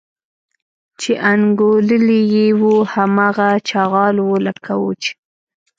چې انګوللي یې وو هماغه چغال و لکه وو چې.